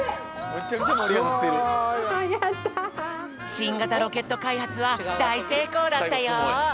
しんがたロケットかいはつはだいせいこうだったよ。